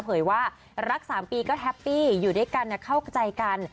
เผยว่ารัก๓ปีก็แฮปปี้อยู่ด้วยกันเข้าใจกัน